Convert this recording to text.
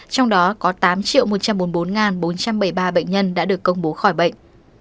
trong đó có tám một trăm bốn mươi bốn bốn trăm bảy mươi ba bệnh nhân đã được công bố khỏi bệnh